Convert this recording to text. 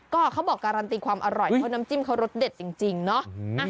ก็เขาบอกการันตีความอร่อยเพราะน้ำจิ้มเขารสเด็ดจริงเนาะ